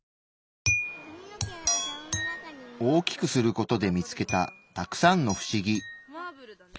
大きくする事で見つけたたくさんのフシギ。